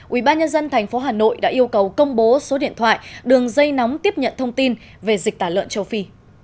ubnd tp hà nội đã yêu cầu công bố số điện thoại đường dây nóng tiếp nhận thông tin về dịch tả lợn châu phi